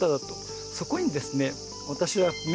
そこにですね